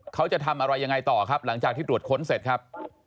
เขาจะทำอะไรยังไงต่อครับหลังจากที่ตรวจค้นเสร็จครับ